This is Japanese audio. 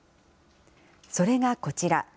それがこちら。